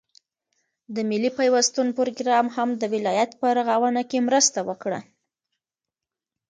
د ملي پيوستون پروگرام هم د ولايت په رغاونه كې مرسته وكړه،